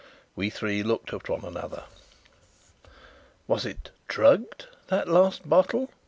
We three looked at one another. "Was it drugged that last bottle?"